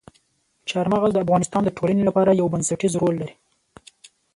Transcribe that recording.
چار مغز د افغانستان د ټولنې لپاره یو بنسټيز رول لري.